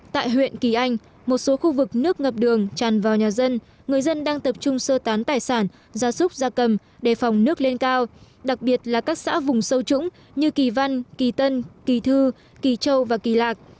tại huyện kỳ anh một số khu vực nước ngập đường tràn vào nhà dân người dân đang tập trung sơ tán tài sản gia súc gia cầm đề phòng nước lên cao đặc biệt là các xã vùng sâu trũng như kỳ văn kỳ tân kỳ thư kỳ châu và kỳ lạc